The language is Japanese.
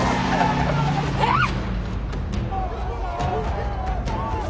えっ！？